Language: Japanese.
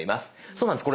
そうなんです。